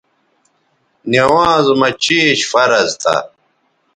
نِوانز مہ چیش فرض تھا